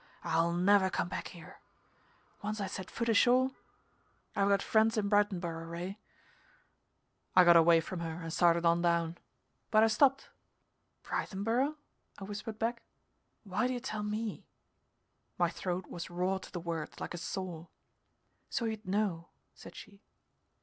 I'll never come back here. Once I set foot ashore I've got friends in Brightonboro, Ray." I got away from her and started on down. But I stopped. "Brightonboro?" I whispered back. "Why do you tell me?" My throat was raw to the words, like a sore. "So you'd know," said she.